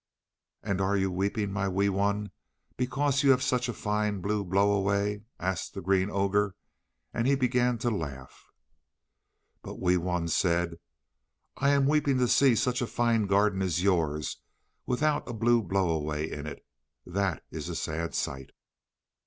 "And are you weeping, my Wee Wun, because you have such a fine blue blow away?" asked the Green Ogre, and he began to laugh. But Wee Wun said: "I am weeping to see such a fine garden as yours without a blue blow away in it. That is a sad sight."